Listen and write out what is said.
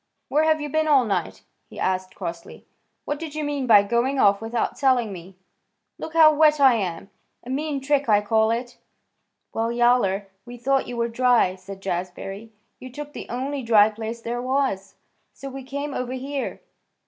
"Where have you been all night?" he asked crossly. "What did you mean by going off without telling me? Look how wet I am! A mean trick, I call it." "Well, Yowler, we thought you were dry," said Jazbury. "You took the only dry place there was, so we came over here."